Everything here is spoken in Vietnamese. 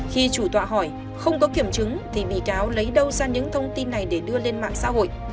khi chủ tọa hỏi không có kiểm chứng thì bị cáo lấy đâu ra những thông tin này để đưa lên mạng xã hội